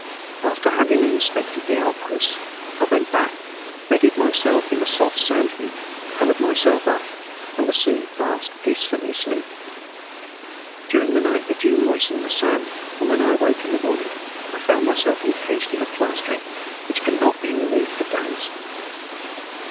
After having inspected the outposts, I went back, bedded myself in a soft sand heap, covered myself up, and was soon fast and peacefully asleep. During the night the dew moistened the sand, and when I awoke in the morning I found myself encased in a plastering which could not be removed for days.